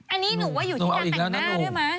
อันนี้หนูว่าอยู่ที่การแต่งหน้าด้วยมั้